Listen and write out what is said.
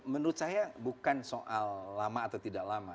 menurut saya bukan soal lama atau tidak lama